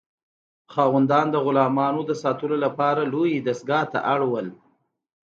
خاوندان د غلامانو د ساتلو لپاره لویې دستگاه ته اړ وو.